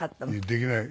できない。